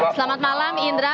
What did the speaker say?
selamat malam indra